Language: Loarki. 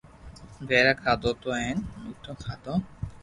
پآزا کاڌو تو ھين ميٺو کادو